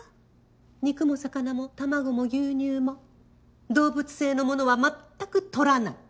肉も魚も卵も牛乳も動物性のものはまったくとらない。